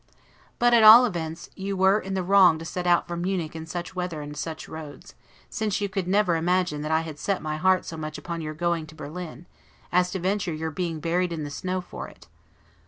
But, at all events, you were in the wrong to set out from Munich in such weather and such roads; since you could never imagine that I had set my heart so much upon your going to Berlin, as to venture your being buried in the snow for it.